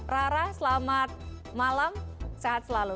rara selamat malam sehat selalu